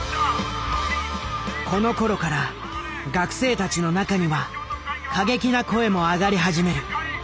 このころから学生たちの中には過激な声も上がり始める。